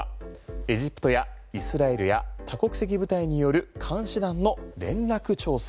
エジプトやイスラエルや多国籍部隊による監視団の連絡調整。